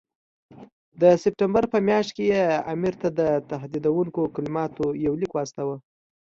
د سپټمبر په میاشت کې یې امیر ته د تهدیدوونکو کلماتو یو لیک واستاوه.